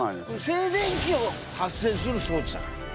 静電気を発生する装置だから。